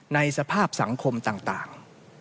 ในสภาพสังคมต่าง